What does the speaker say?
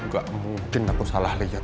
gak mungkin aku salah lihat